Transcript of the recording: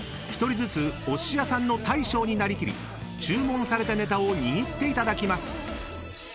１人ずつお寿司屋さんの大将に成り切り注文されたネタを握っていただきます］